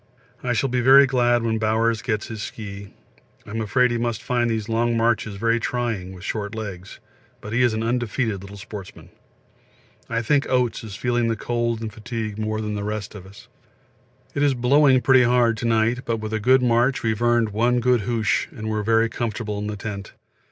I shall be very glad when Bowers gets his ski; I'm afraid he must find these long marches very trying with short legs, but he is an undefeated little sportsman. I think Oates is feeling the cold and fatigue more than most of us. It is blowing pretty hard to night, but with a good march we have earned one good hoosh and are very comfortable in the tent.